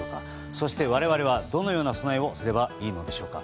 そして我々は、どのような備えをすればいいのでしょうか？